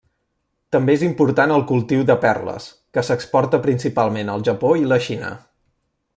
També és important el cultiu de perles que s'exporta principalment al Japó i la Xina.